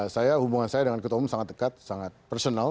saya hubungan saya dengan ketua umum sangat dekat sangat personal